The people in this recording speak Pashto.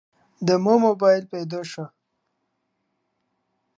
دمو مباييل پيدو شه.